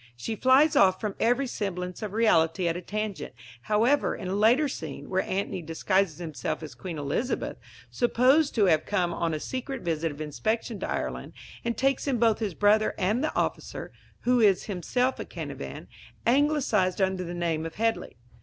She flies off from every semblance of reality at a tangent, however, in a later scene, where Antony disguises himself as Queen Elizabeth, supposed to have come on a secret visit of inspection to Ireland, and takes in both his brother and the officer (who is himself a Canavan, anglicized under the name of Headley).